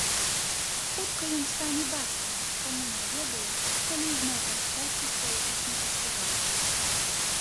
Хутка ён стане бацькам, таму не ведае, калі зноў пашчасціць паехаць на фестываль.